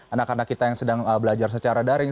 anak anak kita yang sedang belajar secara daring